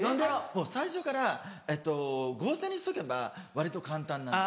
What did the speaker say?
もう最初から合成にしとけば割と簡単なんですよ。